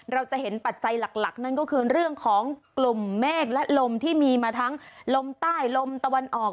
เราจะเห็นปัจจัยหลักนั่นก็คือเรื่องของกลุ่มเมฆและลมที่มีมาทั้งลมใต้ลมตะวันออก